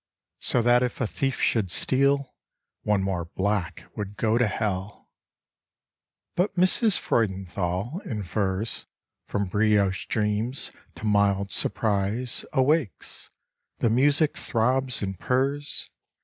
So that if a thief should steal, One more black would go to Hell. But Mrs. Freudenthal, in furs, From brioche dreams to mild surprise Awakes; the music throbs and purrs.